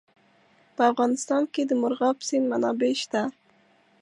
په افغانستان کې د مورغاب سیند منابع شته.